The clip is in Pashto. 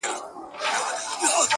نن د پنجابي او منظور جان حماسه ولیکه؛